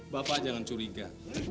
bapak jangan curiga